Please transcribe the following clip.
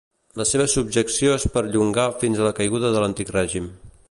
La seva subjecció es perllongà fins a la caiguda de l'antic règim.